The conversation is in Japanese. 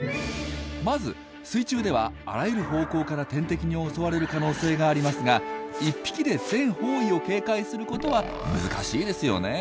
まず水中ではあらゆる方向から天敵に襲われる可能性がありますが１匹で全方位を警戒することは難しいですよね。